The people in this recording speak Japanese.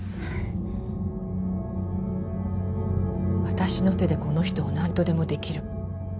私の手でこの人をなんとでもできる。